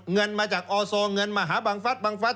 เงินมาจากอศเงินมหาบังฟัสบังฟัส